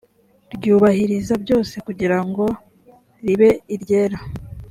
ryubahiriza byose kugira ngo ribe iryera